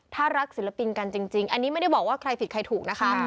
ถ้ารักศิลปินกันจริงอันนี้ไม่ได้บอกว่าใครผิดใครถูกนะคะ